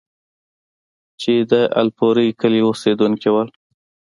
چې د الپورۍ کلي اوسيدونکی وو،